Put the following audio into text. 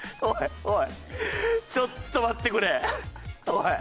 おいおいちょっと待ってくれ。